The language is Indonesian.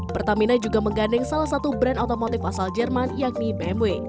pertamina juga menggandeng salah satu brand otomotif asal jerman yakni bmw